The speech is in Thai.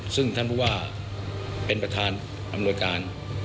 ซึ่งท่านผู้ว่าเป็นประธานอำนวยการ